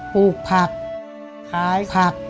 ปลูกผักขายผัก